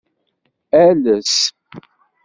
Ales.